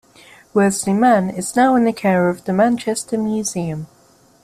Worsley Man is now in the care of the Manchester Museum.